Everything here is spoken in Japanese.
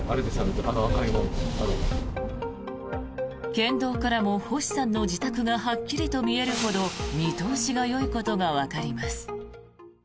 県道からも星さんの自宅がはっきりと見えるほど見通しがよいことがわかります。